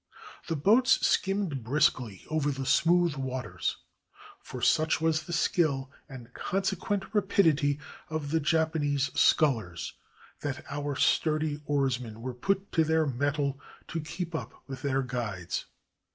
The boats skimmed briskly over the smooth waters; for such was the skill and consequent rapidity of the Japanese scullers that our sturdy oarsmen were put to their mettle to keep up with their guides.